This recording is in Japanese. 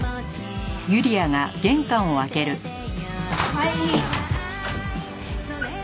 はい。